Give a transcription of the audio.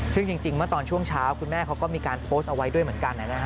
ซึ่งจริงเมื่อตอนช่วงเช้าคุณแม่เขาก็มีการโพสต์เอาไว้ด้วยเหมือนกัน